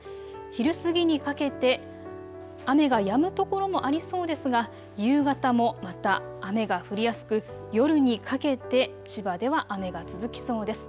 昼過ぎにかけて雨がやむ所もありそうですが、夕方もまた雨が降りやすく夜にかけて千葉では雨が続きそうです。